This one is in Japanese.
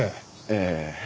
ええ。